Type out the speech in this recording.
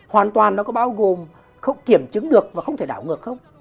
hoàn toàn nó có bao gồm không kiểm chứng được và không thể đảo ngược không